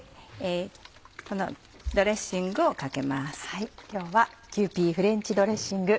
このドレッシングをかけます。